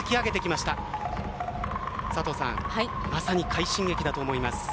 まさに快進撃だと思います。